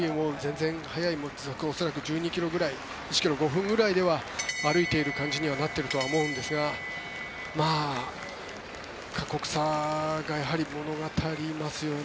時速１２ｋｍぐらい１ｋｍ５分ぐらいで歩いている感じにはなっていると思うんですが過酷さが物語りますよね。